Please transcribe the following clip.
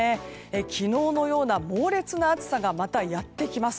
昨日のような猛烈な暑さがまたやってきます。